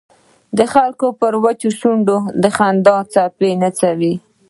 د خلکو پر وچو شونډو د خندا څپې نڅوي.